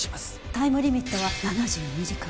タイムリミットは７２時間。